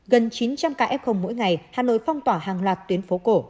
gần chín trăm linh k f mỗi ngày hà nội phong tỏa hàng loạt tuyến phố cổ